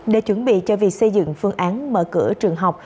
để chuẩn bị cho việc xây dựng phương án mở cửa trường học